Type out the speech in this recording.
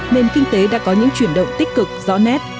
nền kinh tế đã có những chuyển động tích cực rõ nét